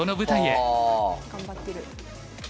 はあ！頑張ってる。